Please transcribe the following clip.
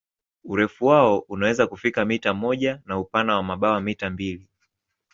Urefu wao unaweza kufika mita moja na upana wa mabawa mita mbili.